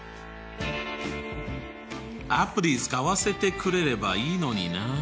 アプリ使わせてくれればいいのにな。